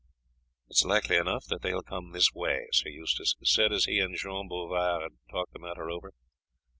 "It is likely enough that they will come this way," Sir Eustace said as he and Jean Bouvard talked the matter over.